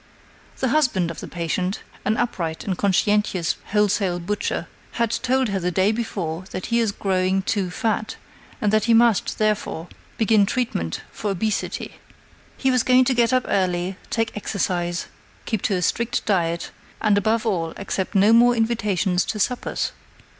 _ The husband of the patient, an upright and conscientious wholesale butcher, had told her the day before that he is growing too fat, and that he must, therefore, begin treatment for obesity. He was going to get up early, take exercise, keep to a strict diet, and above all accept no more invitations to suppers.